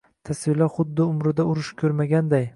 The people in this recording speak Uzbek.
Tasvirlar xuddi umrida urush ko’rmaganday.